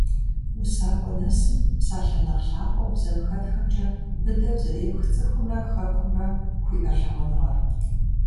УсакӀуэ нэсым, псалъэ нэхъ лъапӀэу бзэм хэтхэмкӀэ, быдэу зэрепх цӀыхумрэ Хэкумрэ хуиӀэ лъагъуныгъэр.